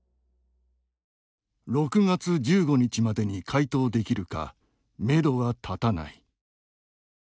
「６月１５日までに回答できるか、めどは立たない」